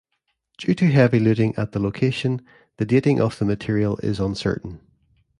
Due to heavy looting at the location, the dating of the material is uncertain.